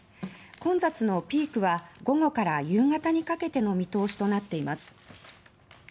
混雑のピークは午後から夕方にかけての見通しとなっています。